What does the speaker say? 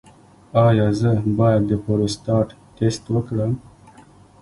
ایا زه باید د پروستات ټسټ وکړم؟